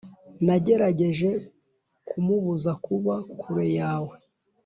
nagerageje kumubuza kuba kure yawe.